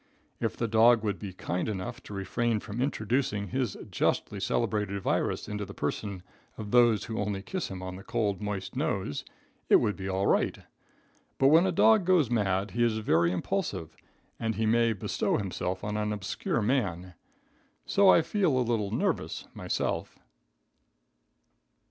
If the dog would be kind enough to refrain from introducing his justly celebrated virus into the person of those only who kiss him on the cold, moist nose, it would be all right; but when a dog goes mad he is very impulsive, and he may bestow himself on an obscure man. So I feel a little nervous myself.